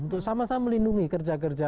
untuk sama sama melindungi kerja kerja